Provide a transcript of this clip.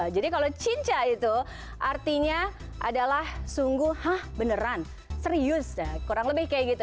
jadi kalau cinca itu artinya adalah sungguh hah beneran serius kurang lebih kayak gitu